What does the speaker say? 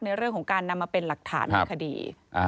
ในเรื่องของการนำมาเป็นหลักฐานในคดี